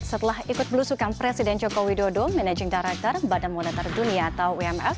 setelah ikut belusukan presiden jokowi dodo managing director badan monitor dunia atau wmf